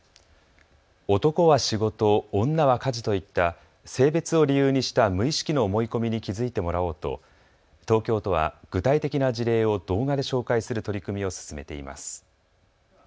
男は仕事、女は家事といった性別を理由にした無意識の思い込みに気付いてもらおうと東京都は具体的な事例を動画で紹介する取り組みを進めています。